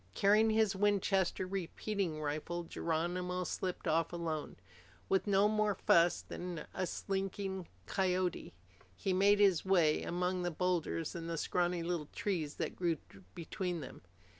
Carrying his Winchester repeating rifle, Geronimo slipped off alone. With no more fuss than a slinking coyote, he made his way among the boulders and the scrawny little trees that grew between them.